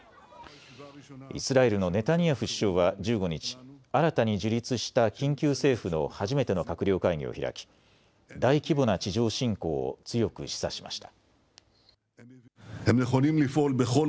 イスラエルのネタニヤフ首相は１５日、新たに樹立した緊急政府の初めての閣僚会議を開き大規模な地上侵攻を強く示唆しました。